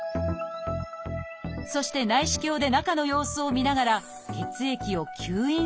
そして内視鏡で中の様子を見ながら血液を吸引するというもの